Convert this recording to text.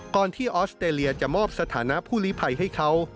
ก่อนที่ออสเตรเลียจะมอบสถานะผู้ลิภัยให้เขา